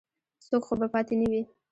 څوک خو به پاتې نه وي.